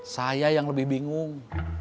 saya yang lebih bingung